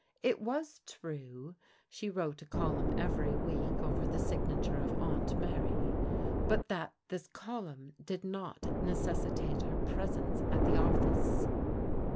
It was true she wrote a column every week over the signature of " Aunt Mary/' but that this column did not necessitate her presence at the office.